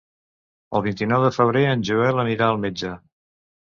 El vint-i-nou de febrer en Joel anirà al metge.